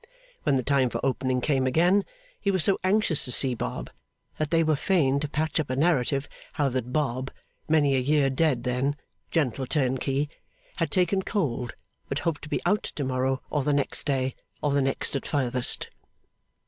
When the time for opening came again, he was so anxious to see Bob, that they were fain to patch up a narrative how that Bob many a year dead then, gentle turnkey had taken cold, but hoped to be out to morrow, or the next day, or the next at furthest.